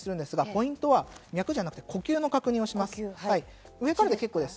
ポイントは脈じゃなくて、呼吸の確認です。